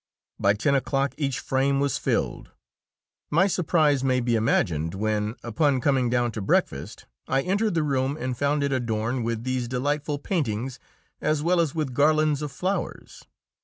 By ten o'clock each frame was filled. My surprise may be imagined when, upon coming down to breakfast, I entered the room and found it adorned with these delightful paintings as well as with garlands of flowers.